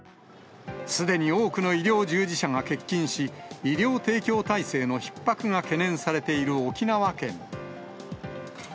すでに多くの医療従事者が欠勤し、医療提供体制のひっ迫が懸念されている沖縄県。